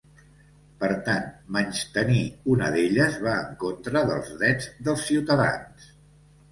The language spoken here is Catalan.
Per tant, menystenir una d’elles va en contra dels drets dels ciutadans.